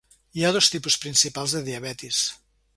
Hi ha dos tipus principals de diabetis.